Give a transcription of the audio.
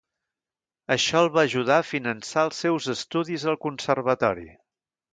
Això el va ajudar a finançar els seus estudis al Conservatori.